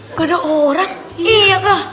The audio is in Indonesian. gak ada orang iya